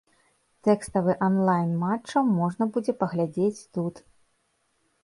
Тэкставы анлайн матчаў можна будзе паглядзець тут.